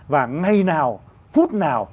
và ngày nào phút nào